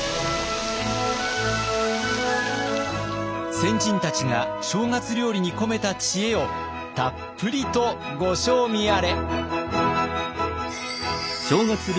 先人たちが正月料理に込めた知恵をたっぷりとご賞味あれ。